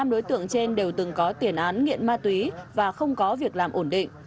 năm đối tượng trên đều từng có tiền án nghiện ma túy và không có việc làm ổn định